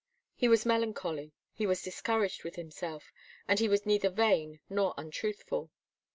He was melancholy, he was discouraged with himself, and he was neither vain nor untruthful.